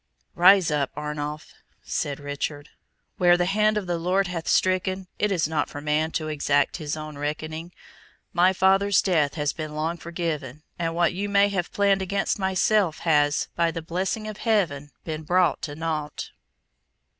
"Rise up, Arnulf," said Richard. "Where the hand of the Lord hath stricken, it is not for man to exact his own reckoning. My father's death has been long forgiven, and what you may have planned against myself has, by the blessing of Heaven, been brought to nought.